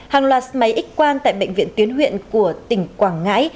hàng loạt máy x quan tại bệnh viện tiến huyện của tỉnh quảng ngãi